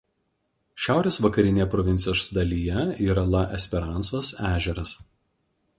Šiaurės vakarinėje provincijos dalyje yra La Esperansos ežeras.